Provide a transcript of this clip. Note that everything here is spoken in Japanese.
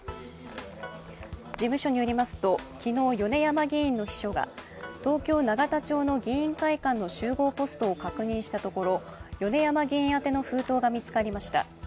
事務所によりますと、昨日、米山議員の秘書が東京・永田町の議員会館の集合ポストを確認したところ米山議員宛の封筒が見つかりました。